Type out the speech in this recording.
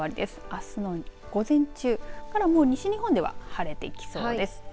あすの午前中から西日本では晴れてきそうです。